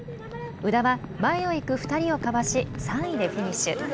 宇田は前を行く２人をかわし３位でフィニッシュ。